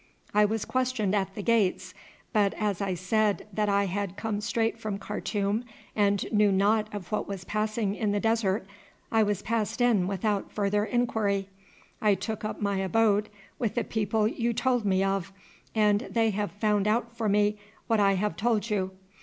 I was questioned at the gates, but as I said that I had come straight from Khartoum and knew nought of what was passing in the desert I was passed in without further inquiry. I took up my abode with the people you told me of, and they have found out for me what I have told you.